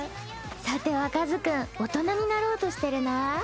さては和君大人になろうとしてるな？